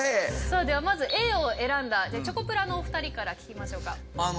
ではまずＡを選んだチョコプラのお２人から聞きましょう。